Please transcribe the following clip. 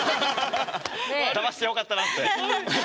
ダマしてよかったなって。